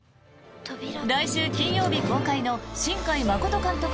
来週金曜日公開の新海誠監督